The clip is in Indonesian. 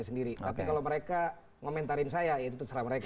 sendiri tapi kalau mereka ngomentarin saya itu terserah mereka